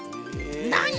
なに⁉